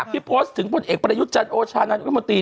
พิโปรสถึงพลเอกประยุจรรย์โอชานาธิกรมตี